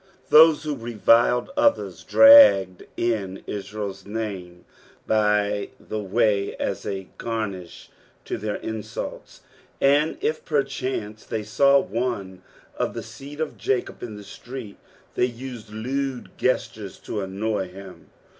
Those who reviled others draped in Israel's name by the way as a garnish to their insults, and if perchance they saw one of the seed of Jacob in the street they used lewd gestures to annoy him.